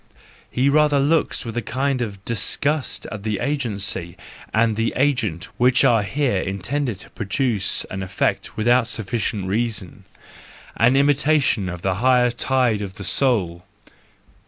He rather looks with a kind of disgust at the agency and the agent which are here intended to produce an effect without sufficient reason,—an imitation of the high tide of the soul!